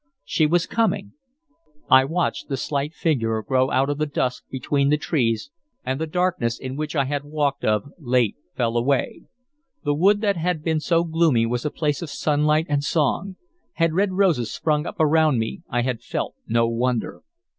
She was coming. I watched the slight figure grow out of the dusk between the trees, and the darkness in which I had walked of late fell away. The wood that had been so gloomy was a place of sunlight and song; had red roses sprung up around me I had felt no wonder.